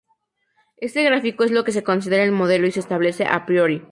Este gráfico es lo que se considera "el modelo", y se establece a priori.